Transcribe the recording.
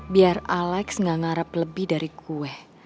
biar alex gak ngarep lebih dari kue